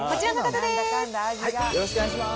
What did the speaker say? よろしくお願いします。